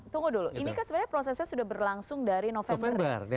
tunggu dulu ini kan sebenarnya prosesnya sudah berlangsung dari november